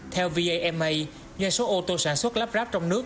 theo vama doanh số ô tô sản xuất lắp ráp trong nước